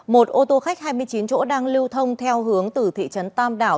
một ô tô khách hai mươi chín chỗ đang lưu thông theo hướng từ thị trấn tam đảo